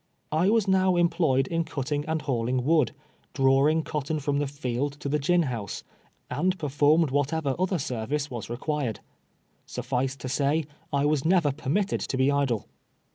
I was now employed in cutting and hauling wood, drawing cot ton from the field to the gin house, and performed whatever other service Avas rer^uired. Suffice to say, I was never permitted to be idle.